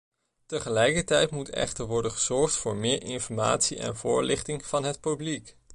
Tegelijkertijd moet echter worden gezorgd voor meer informatie en voorlichting van het publiek.